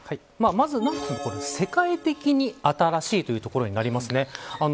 まずワクチン、世界的に新しいということになります。